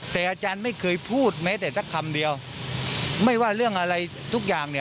แต่อาจารย์ไม่เคยพูดแม้แต่สักคำเดียวไม่ว่าเรื่องอะไรทุกอย่าง